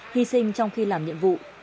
hy sinh trong khi làm nhiệm vụ